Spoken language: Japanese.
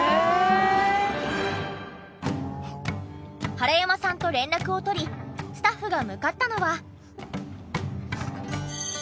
原山さんと連絡を取りスタッフが向かったのは。